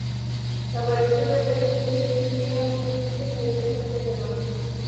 La apariencia del edificio se inspira en los castillos e iglesias medievales.